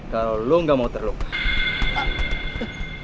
kalau lo gak mau terluka